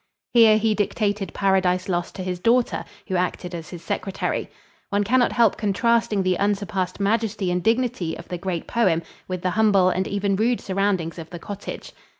Here he dictated "Paradise Lost" to his daughter, who acted as his secretary. One can not help contrasting the unsurpassed majesty and dignity of the great poem with the humble and even rude surroundings of the cottage.